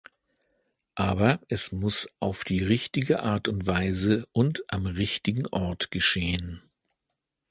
Aber es muss auf die richtige Art und Weise und am richtigen Ort geschehen.